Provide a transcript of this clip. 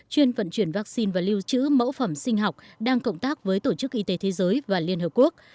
chuyên vận chuyển vaccine và lưu trữ mẫu phẩm sinh học đang cộng tác với tổ chức y tế thế giới và liên hợp quốc